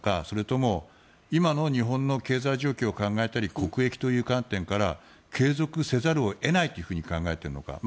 それとも、今の日本の経済状況を考えたり国益という観点から継続せざるを得ないと考えているのか。